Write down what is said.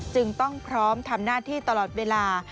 จึงต้องพร้อมทำหน้าที่ตลอดเวลา